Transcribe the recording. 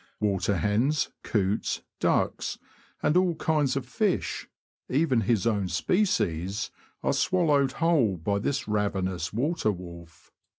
Water hens, coots, ducks, and all kinds of fish (even his own species), are swallowed whole by this ravenous water wolf.